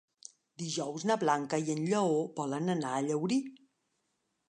Dijous na Blanca i en Lleó volen anar a Llaurí.